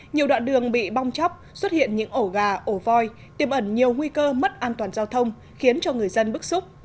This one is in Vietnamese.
nhiều đoạn đường bị bong chóc xuất hiện những ổ gà ổ voi tiêm ẩn nhiều nguy cơ mất an toàn giao thông khiến cho người dân bức xúc